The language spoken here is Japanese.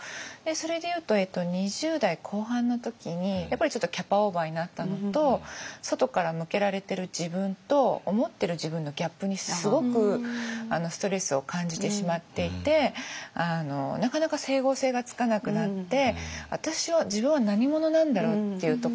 それでいうと２０代後半の時にやっぱりちょっとキャパオーバーになったのと外から向けられてる自分と思ってる自分のギャップにすごくストレスを感じてしまっていてなかなか整合性がつかなくなって。